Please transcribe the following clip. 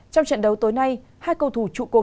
trong trận đấu tối nay hai cầu thủ trụ cột